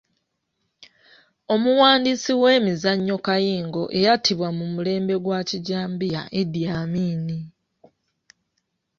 Omuwandiisi w’emizannyo kayingo eyattibwa ku mulembe gwa Kijambiya Idi Amin .